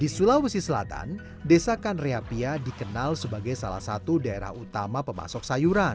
di sulawesi selatan desa kanreapia dikenal sebagai salah satu daerah utama pemasok sayuran